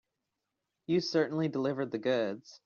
You certainly delivered the goods.